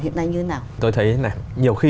hiện nay như thế nào tôi thấy nhiều khi